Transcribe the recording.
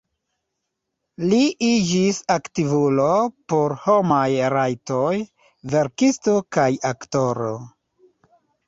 Li iĝis aktivulo por homaj rajtoj, verkisto kaj aktoro.